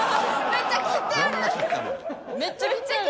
めっちゃ切ってある。